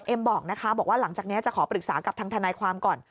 บอกนะคะบอกว่าหลังจากนี้จะขอปรึกษากับทางทนายความก่อน